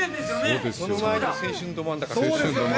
その前に青春ど真ん中という。